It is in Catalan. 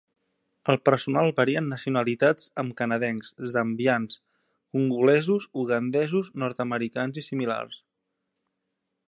El personal varia en nacionalitats amb canadencs, zambians, congolesos, ugandesos, nord-americans i similars.